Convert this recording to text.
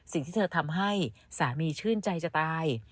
สิ่งที่เธอทำให้สามีชื่นใจจะตาย